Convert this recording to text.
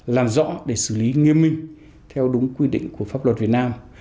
làm rõ để xử lý nghiêm minh theo đúng quy định của pháp luật việt nam